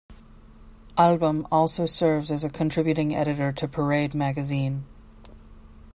Albom also serves as a contributing editor to "Parade" magazine.